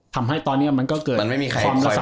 ทำให้ตอนนี้มันก็เกิดความละสั่งละฝ่าย